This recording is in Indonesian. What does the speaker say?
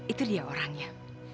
itu dia orangnya